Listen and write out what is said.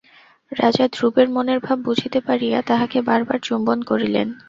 রাজা ধ্রুবের মনের ভাব বুঝিতে পারিয়া তাহাকে বারবার চুম্বন করিলেন।